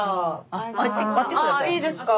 あいいですか？